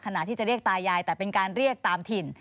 ขณะที่จะเรียกตายายแต่เป็นการเรียกตามถิ่น